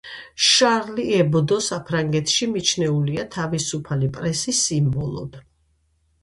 შარლი ებდო საფრანგეთში მიჩნეულია თავისუფალი პრესის სიმბოლოდ.